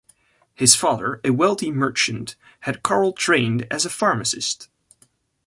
His father, a wealthy merchant, had Carl trained as a pharmacist.